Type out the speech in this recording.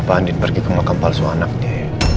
apa andin pergi ke makam palsu anak dia